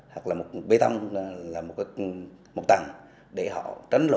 hoặc là một bê tông một tầng để họ tránh lũ